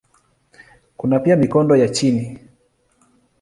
Kuna pia mikondo ya chini.